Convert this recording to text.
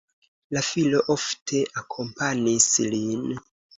La filo ofte akompanis lin.